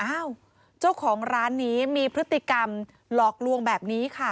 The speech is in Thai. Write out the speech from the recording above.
เจ้าของร้านนี้มีพฤติกรรมหลอกลวงแบบนี้ค่ะ